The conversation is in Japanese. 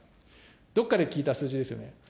どっかで聞いた数字ですよね。